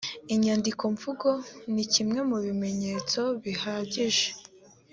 inyandiko mvugo ni kimwe mu bimenyetso bihagije